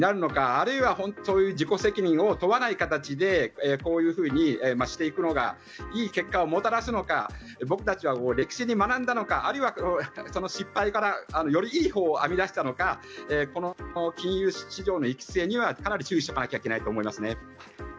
あるいはそういう自己責任を問わない形でこういうふうにしていくのがいい結果をもたらすのか僕たちは歴史に学んだのかあるいは失敗からよりいいほうを編み出したのかこの金融市場の行く末にはかなり注意しとかなきゃいけないと思います。